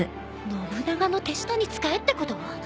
信長の手下に使えってこと？